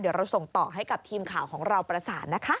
เดี๋ยวเราส่งต่อให้กับทีมข่าวของเราประสานนะคะ